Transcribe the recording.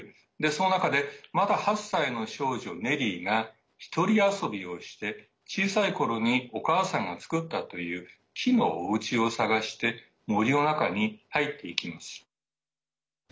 その中でまだ８歳の少女ネリーが１人遊びをして小さいころにお母さんが作ったという木のおうちを探して森の中に入っていきます。